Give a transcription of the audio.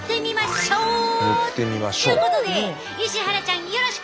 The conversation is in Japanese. ちゅうことで石原ちゃんよろしく！